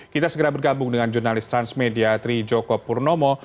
kita segera bergabung dengan jurnalis transmedia trijoko purnomo